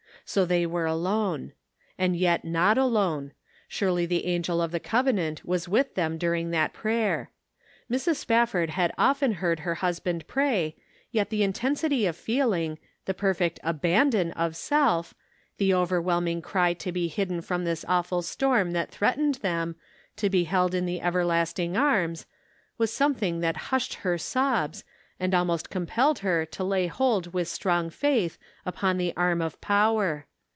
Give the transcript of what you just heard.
So they were alone. Aaid yet not alone ; surely the Measured by Trial. 357 Angel of the Covenant was with them during that prayer. Mrs. Spafford had often heard her husband pray, yet the intensity of feeling, the perfect abandon of self, the overwhelming cry to be hidden from this awful storm that threatened them, to be held in the Everlasting Arms, was something that hushed her sobs, and almost compelled her to lay hold with strong faith upon the Arm of Power.